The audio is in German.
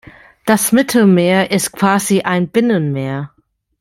Das Mittelmeer ist quasi ein Binnenmeer.